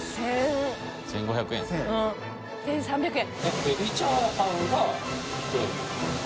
１３００円。